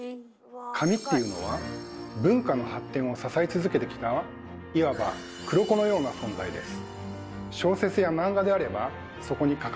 紙っていうのは文化の発展を支え続けてきたいわば黒子のような存在です。